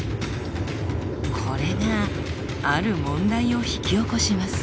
これがある問題を引き起こします。